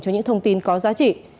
cho những thông tin có giá trị